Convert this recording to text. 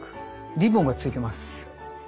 リボンがついてます。